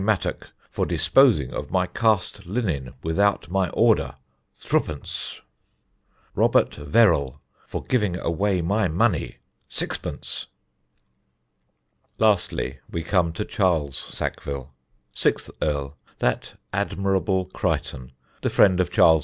Mattock for disposing of my Cast linnen without my order 0 0 3 "Robert Verrell for giving away my money 0 0 6" [Sidenote: "TO ALL YOU LADIES"] Lastly we come to Charles Sackville, sixth earl, that Admirable Crichton, the friend of Charles II.